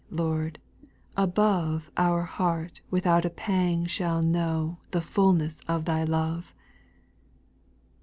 Lord, above Our heart without a pang shall know The fulness of Thy love.